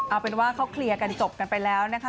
เอาเป็นว่าเขาเคลียร์กันจบกันไปแล้วนะคะ